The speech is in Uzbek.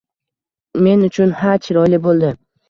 Men uchun ha, chiroyli bo‘ldi.